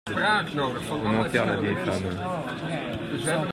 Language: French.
On enterre la vieille femme.